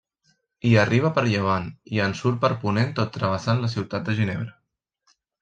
Hi arriba per llevant i en surt per ponent tot travessant la ciutat de Ginebra.